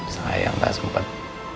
sayang gak sempet